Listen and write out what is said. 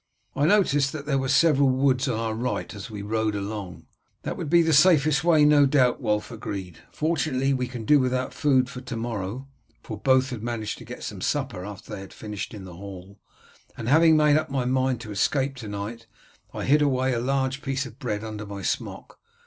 I noticed that there were several woods on our right as we rode along." "That would be the safest way, no doubt," Wulf agreed. "Fortunately we can do without food for to morrow" for both had managed to get some supper after they had finished in the hall, "and having made up my mind to escape to night I hid away a large piece of bread under my smock.